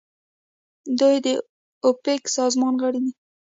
دوی د اوپک سازمان غړي دي.